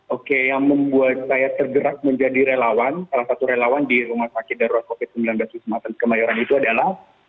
oke yang membuat saya tergerak menjadi relawan salah satu relawan di rumah sakit darurat covid sembilan belas wisma atlet kemayoran itu adalah